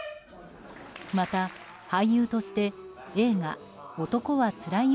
また、俳優として映画「男はつらいよ」